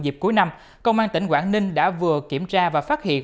dịp cuối năm công an tỉnh quảng ninh đã vừa kiểm tra và phát hiện